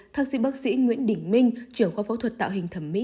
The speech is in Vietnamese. thạc sĩ bác sĩ nguyễn đình minh trưởng khoa phẫu thuật tạo hình thẩm mỹ